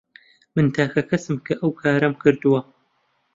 من تاکە کەسم کە ئەو کارەم کردووە.